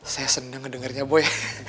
saya senang mendengarnya boy